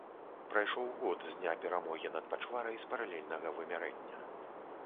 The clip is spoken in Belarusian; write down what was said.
Прайшоў год з дня перамогі над пачварай з паралельнага вымярэння.